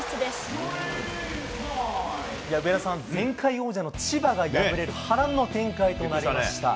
上田さん、前回王者の千葉が敗れる波乱の展開となりました。